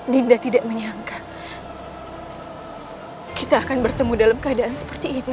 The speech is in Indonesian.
dinda tidak menyangka kita akan bertemu dalam keadaan seperti ini